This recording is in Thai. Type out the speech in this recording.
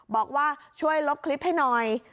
บอกว่าช่วยลบคลิปให้หน่อย